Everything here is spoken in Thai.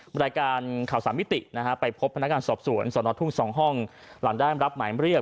บรรยาการข่าวสามมิติไปพบพนักการณ์สอบสวนสอนอทุ่งสองห้องหลังด้านรับหมายเรียก